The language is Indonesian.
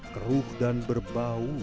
keruh dan berbau